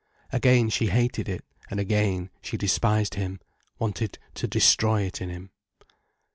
Again she hated it. And again, she despised him, wanted to destroy it in him.